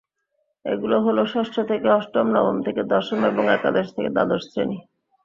এগুলো হলো—ষষ্ঠ থেকে অষ্টম, নবম থেকে দশম এবং একাদশ থেকে দ্বাদশ শ্রেণি।